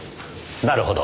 なるほど。